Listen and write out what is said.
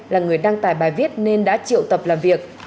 là người đăng tải bài viết nên đã triệu tập làm việc